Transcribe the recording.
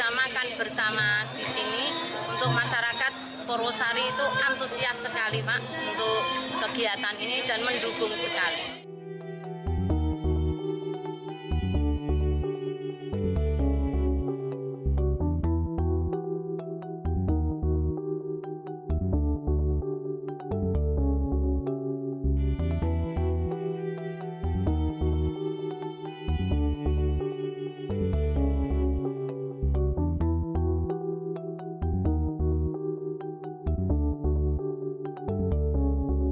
masyarakat porwosari itu antusias sekali mak untuk kegiatan ini dan mendukung sekali